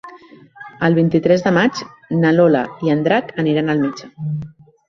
El vint-i-tres de maig na Lola i en Drac iran al metge.